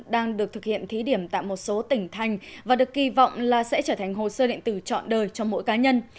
đang được thực hiện thí điểm tại một số tỉnh thành và được kỳ vọng là sẽ trở thành hồ sơ điện tử trọn đời cho mỗi cá nhân